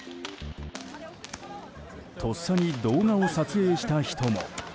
とっさに動画を撮影した人も。